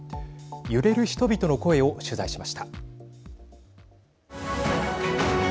揺れる人々の声を取材しました。